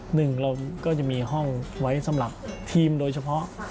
หนึ่งเราก็จะมีห้องไว้สำหรับทีมโดยเฉพาะ